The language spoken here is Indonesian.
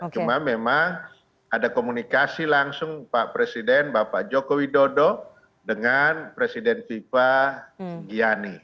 cuma memang ada komunikasi langsung pak presiden bapak joko widodo dengan presiden fifa giani